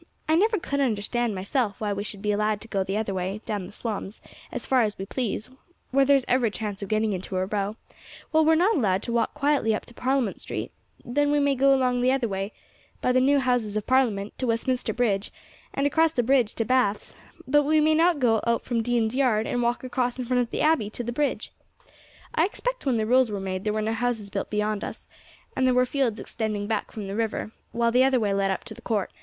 I never could understand myself why we should be allowed to go the other way, down the slums, as far as we please, where there is every chance of getting into a row, while we are not allowed to walk quietly up Parliament Street; then we may go along the other way, by the new Houses of Parliament, to Westminster Bridge, and across the bridge to baths; but we may not go out from Dean's Yard and walk across in front of the Abbey to the Bridge. I expect when the rules were made there were no houses built beyond us, and there were fields extending back from the river, while the other way led up to the Court.